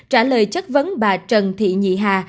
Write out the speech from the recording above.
trả lời chắc vấn bà trần thị nhị hà